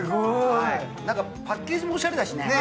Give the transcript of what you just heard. パッケージもおしゃれだしね。